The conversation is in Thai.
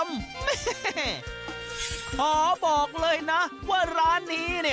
ขอบอกเลยนะว่าร้านนี้